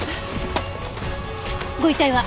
ご遺体は？